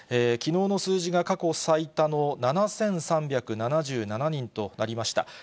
きのうの数字が過去最多の７３７７人となりました。